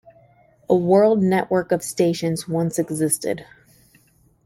A world network of stations once existed.